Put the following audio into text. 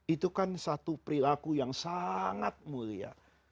itu kan satu perilaku yang sangat mulia